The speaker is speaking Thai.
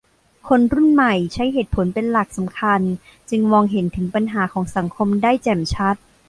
คนรุ่นใหม่ใช้เหตุผลเป็นหลักสำคัญจึงมองเห็นถึงปัญหาของสังคมได้แจ่มชัด